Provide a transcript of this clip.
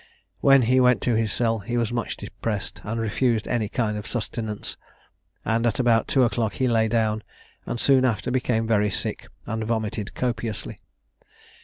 When he went to his cell, he was much depressed, and refused any kind of sustenance; and at about two o'clock he lay down, and soon after became very sick, and vomited copiously.